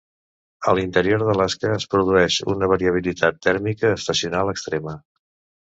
A l'interior d'Alaska es produeix una variabilitat tèrmica estacional extrema.